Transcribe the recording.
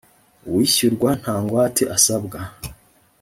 uwishyurwa nta ngwate asabwa.